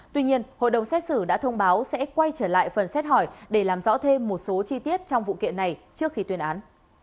tuy nhiên hội đồng xét xử đã thông báo sẽ quay trở lại phần xét hỏi để làm rõ thêm một số chi tiết trong vụ kiện này trước khi tuyên án